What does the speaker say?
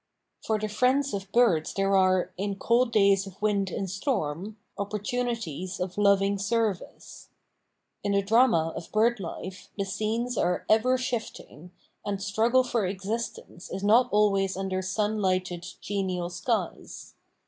For the friends of birds there are, in cold days of wind and storm, opportunities of loving service. In the drama of bird life the scenes are ever shifting, and struggle for existence is not always under sun lighted, genial skies.